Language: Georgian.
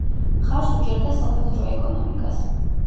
მხარს უჭერდა საბაზრო ეკონომიკას.